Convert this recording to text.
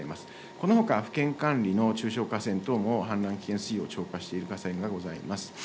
このほか府県管理の中小河川等も氾濫危険水位を超過している河川がございます。